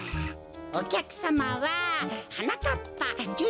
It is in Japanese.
おきゃくさまははなかっぱじゅう